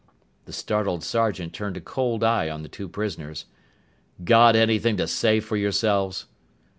The startled sergeant turned a cold eye on the two prisoners. "Got anything to say for yourselves?"